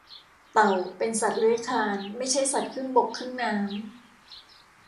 เต่าเป็นสัตว์เลื้อยคลานไม่ใช่สัตว์ครึ่งบกครึ่งน้ำ